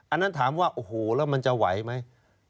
อันนั้นถามว่าโอ้โหแล้วมันจะไหวไหม